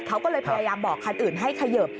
เขาก็เลยพยายามบอกคันอื่นให้เขยิบ